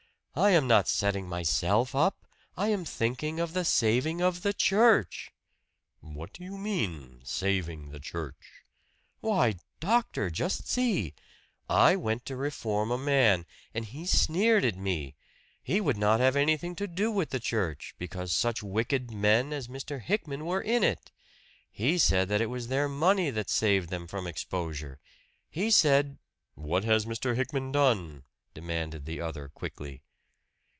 I am not setting myself up! I am thinking of the saving of the church!" "What do you mean saving the church?" "Why, doctor just see! I went to reform a man; and he sneered at me. He would not have anything to do with the church, because such wicked men as Mr. Hickman were in it. He said it was their money that saved them from exposure he said " "What has Mr. Hickman done?" demanded the other quickly.